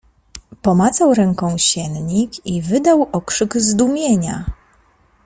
Pomacał ręką siennik i wydał okrzyk zdumienia.